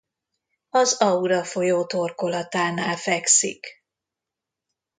Az Aura folyó torkolatánál fekszik.